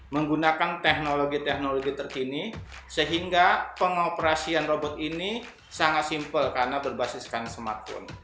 menggunakan teknologi teknologi terkini sehingga pengoperasian robot ini sangat simpel karena berbasiskan smartphone